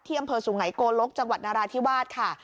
อำเภอสุไงโกลกจังหวัดนาราธิวาสค่ะ